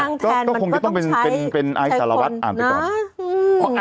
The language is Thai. ก็คงต้องใช้คนนะ